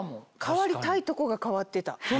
変わりたいとこが変わってた。